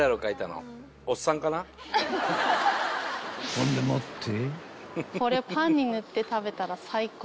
［ほんでもって］